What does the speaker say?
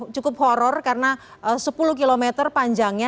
cukup horror karena sepuluh km panjangnya